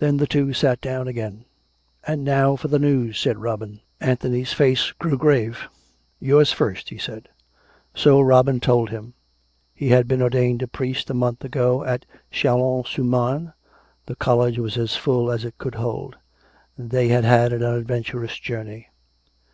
Then the two sat down again. " And now for the news," said Robin. Anthony's face grew grave. " Yours first," he said. So Robin told him. He had been ordained priest a COME RACK! COME ROPE! 263 month ago, at Chalons sur Marne. ... The college was as full as it could hold. ... They had had an uiiadven turous journey.